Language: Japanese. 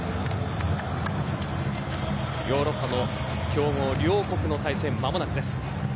ヨーロッパの強豪両国の対戦まもなくです。